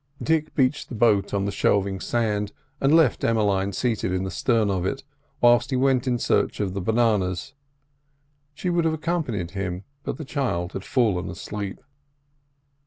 Dick beached the boat on the shelving sand, and left Emmeline seated in the stern of it, whilst he went in search of the bananas; she would have accompanied him, but the child had fallen asleep.